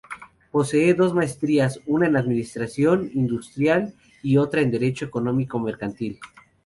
Posee dos maestrías: una en Administración Industrial y, otra, en Derecho Económico Mercantil.